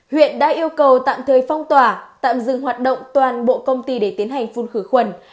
huyện đã yêu cầu tạm thời phong tỏa tạm dừng hoạt động toàn bộ công ty để tiến hành phun khử khuẩn